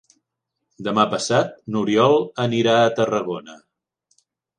Demà passat n'Oriol anirà a Tarragona.